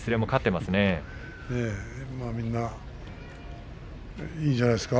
まあみんないいんじゃないですか？